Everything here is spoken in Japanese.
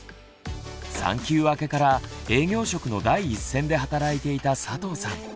産休明けから営業職の第一線で働いていた佐藤さん。